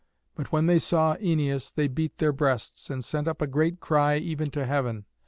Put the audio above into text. But when they saw Æneas they beat their breasts, and sent up a great cry even to heaven.